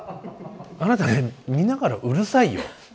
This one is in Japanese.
あなたね見ながらうるさいよ。